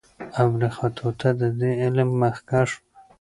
ابن خلدون د دې علم مخکښ و.